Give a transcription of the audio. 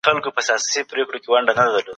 د هويت بحران انسان له منځه وړي.